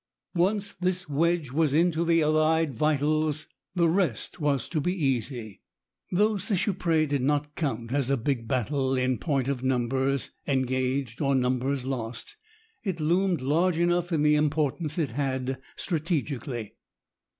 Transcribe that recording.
Once this wedge was into the Allied vitals the rest was to be easy. Though Seicheprey did not count as a big battle in point of numbers engaged or numbers lost, it loomed large enough in the importance it had strategically.